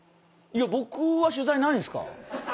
僕は取材ないんすか？